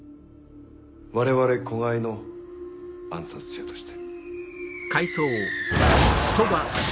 我々子飼いの暗殺者として。